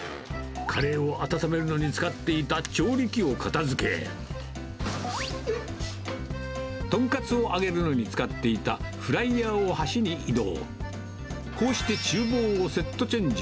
カレーを温めるのに使っていた調理器を片づけ、豚カツを揚げるのに使っていたフライヤーを端に移動。